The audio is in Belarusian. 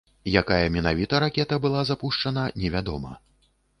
Якая менавіта ракета была запушчана, невядома.